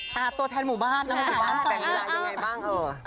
ตัวแทนหมู่บ้านหมู่บ้านแปลงเวลายังไงบ้าง